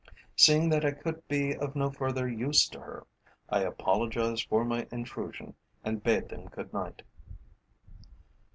Seeing that I could be of no further use to her, I apologized for my intrusion and bade them good night.